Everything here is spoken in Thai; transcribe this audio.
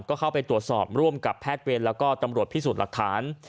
ก็เข้าไปตรวจสอบร่วมกับแพทย์เวรแล้วก็ตำรวจพิสูจน์หลักฐาน